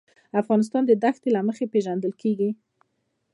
افغانستان د دښتو له مخې پېژندل کېږي.